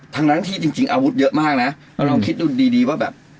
ทั้งนั้นที่จริงอาวุธเยอะมากนะเราลองคิดดูดีดีว่าแบบ